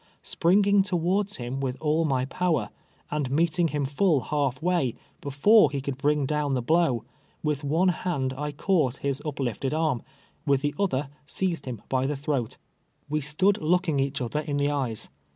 Springing towards him with all my power, and meet ing him full half way, before he could bring down the blow, with one hand I caught his uplifted arm, with the other seized him by the throat. "We stood look ing each other in the eyes.